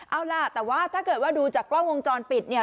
เอาล่ะแต่ว่าถ้าเกิดว่าดูจากกล้องวงจรปิดเนี่ย